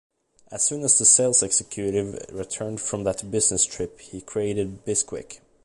As soon as the sales executive returned from that business trip, he created Bisquick.